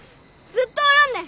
ずっとおらんね！